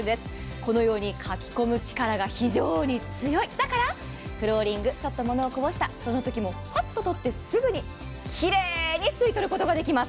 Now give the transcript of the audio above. このようにかき込む力が非常に強い、だからフローリングちょっとものをこぼした、そのときもパッと取って、すぐにきれいに吸い取ることができます。